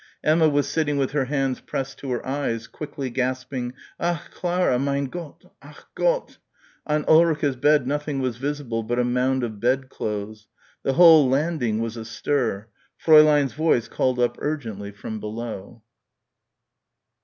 Emma was sitting with her hands pressed to her eyes, quickly gasping, "Ach Clara! Mein Gott! Ach Gott!" On Ulrica's bed nothing was visible but a mound of bedclothes. The whole landing was astir. Fräulein's voice called up urgently from below.